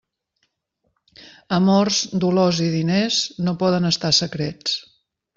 Amors, dolors i diners no poden estar secrets.